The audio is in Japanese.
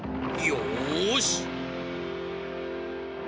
よし！